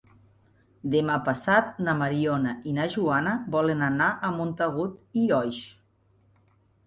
Demà passat na Mariona i na Joana volen anar a Montagut i Oix.